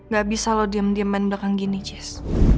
gak bisa lo diem diem main belakang gini jess